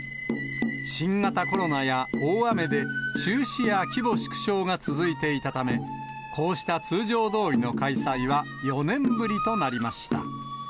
新型コロナや大雨で、中止や規模縮小が続いていたため、こうした通常どおりの開催は、４年ぶりとなりました。